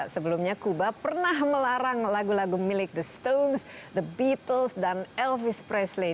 sebelumnya kuba pernah melarang lagu lagu milik the stones the beatles dan elvice presley